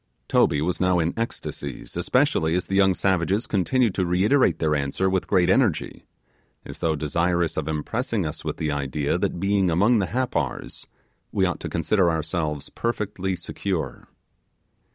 Toby was now in ecstasies, especially as the young savages continued to reiterate their answer with great energy, as though desirous of impressing us with the idea that being among the Happars, we ought to consider ourselves perfectly secure.